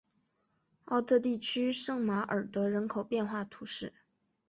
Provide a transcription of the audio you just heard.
奥特地区圣马尔德人口变化图示